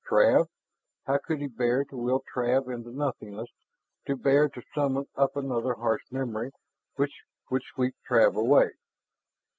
Trav! How could he bear to will Trav into nothingness, to bear to summon up another harsh memory which would sweep Trav away?